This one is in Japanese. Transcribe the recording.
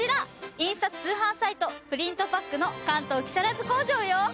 印刷通販サイトプリントパックの関東木更津工場よ。